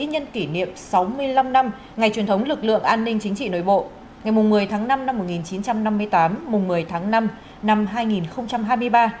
nhân kỷ niệm sáu mươi năm năm ngày truyền thống lực lượng an ninh chính trị nội bộ ngày một mươi tháng năm năm một nghìn chín trăm năm mươi tám một mươi tháng năm năm hai nghìn hai mươi ba